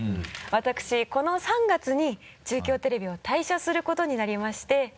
私この３月に中京テレビを退社することになりまして。